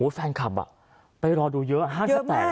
ฟางคลับว่าไปรอดูเยอะ